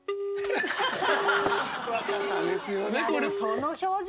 若さですよねこれ。